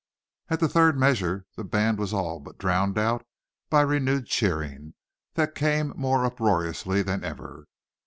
At the third measure the band was all but drowned out by renewed cheering, that came more uproariously than ever.